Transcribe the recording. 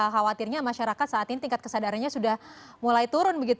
khawatirnya masyarakat saat ini tingkat kesadarannya sudah mulai turun begitu